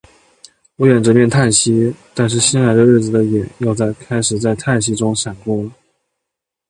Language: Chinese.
我掩着面叹息。但是新来的日子的影儿又开始在叹息里闪过了。